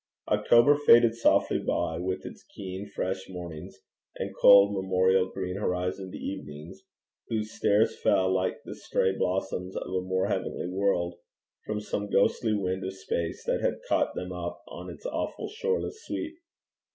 October faded softly by, with its keen fresh mornings, and cold memorial green horizoned evenings, whose stars fell like the stray blossoms of a more heavenly world, from some ghostly wind of space that had caught them up on its awful shoreless sweep.